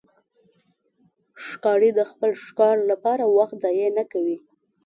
ښکاري د خپل ښکار لپاره وخت ضایع نه کوي.